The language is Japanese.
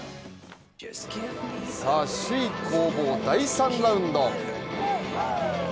首位攻防、第３ラウンド。